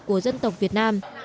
của dân tộc việt nam